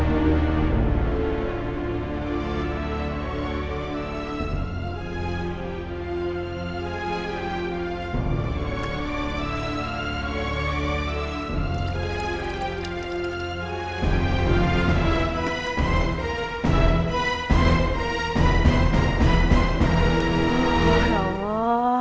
p endless mmmrbamya yang umuh